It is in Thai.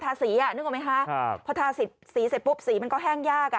สีอ่ะนึกออกไหมคะพอทาสีเสร็จปุ๊บสีมันก็แห้งยากอ่ะ